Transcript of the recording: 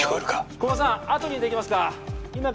駒場さんあとにできますか？